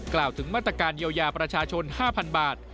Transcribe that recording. กล่าวถึงมาตรการเยียวยาประชาชน๕๐๐๐บาท